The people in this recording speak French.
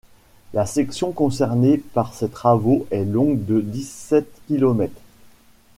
La section concernée par ces travaux est longue de dix-sept kilomètres.